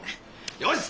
よし！